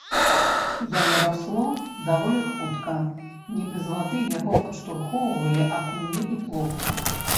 Яно расло даволі хутка, нібы з вады яго падштурхоўвалі акуні і плоткі.